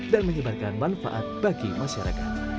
dan menyebarkan manfaat bagi masyarakat